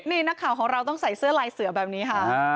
นี่นักข่าวของเราต้องใส่เสื้อลายเสือแบบนี้ค่ะ